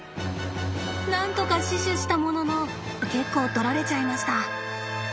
なんとか死守したものの結構とられちゃいました。